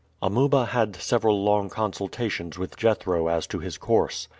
Amuba had several long consultations with Jethro as to his course.